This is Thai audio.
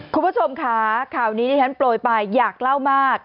คุณผู้ชมค่ะข่าวนี้ที่ฉันโปรยไปอยากเล่ามาก